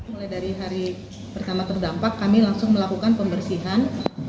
mulai dari hari pertama terdampak kami langsung melakukan pembersihan